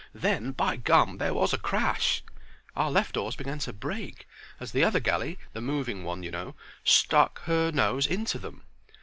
Then, by gum! there was a crash! Our left oars began to break as the other galley, the moving one y'know, stuck her nose into them.